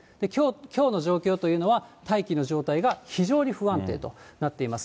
きょうの状況というのは、大気の状態が非常に不安定となっています。